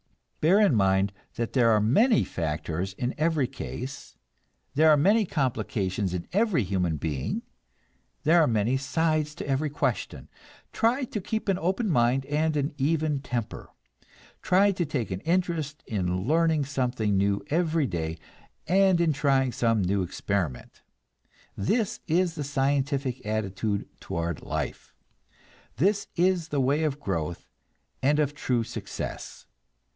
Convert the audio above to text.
Bear in mind that there are many factors in every case, there are many complications in every human being, there are many sides to every question. Try to keep an open mind and an even temper. Try to take an interest in learning something new every day, and in trying some new experiment. This is the scientific attitude toward life; this is the way of growth and of true success.